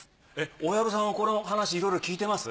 大藪さんはこの話いろいろ聞いてます？